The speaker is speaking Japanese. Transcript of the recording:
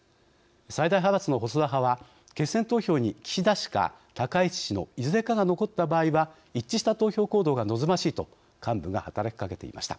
最大派閥の細田派は決選投票に岸田氏か高市氏のいずれかが残った場合は一致した投票行動が望ましいと幹部が働きかけていました。